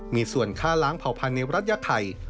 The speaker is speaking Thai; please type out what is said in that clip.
มีส่วนฆ่าล้างเผ่าพันธุ์ในรัฐยาไข่